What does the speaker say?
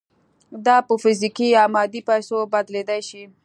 دا په فزیکي یا مادي پیسو بدلېدای شي